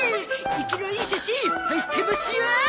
生きのいい写真入ってますよ！